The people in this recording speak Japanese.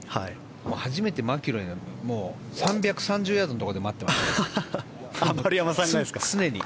初めてマキロイが３３０ヤードのところで待っていましたよ、常に。